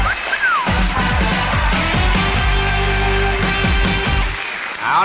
เอาล่ะครับกลับเข้ามาแล้วนะครับกับรายการของเรานะครับ